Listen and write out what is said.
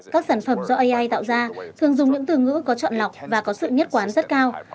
các sản phẩm do ai tạo ra thường dùng những từ ngữ có chọn lọc và có sự nhất quán rất cao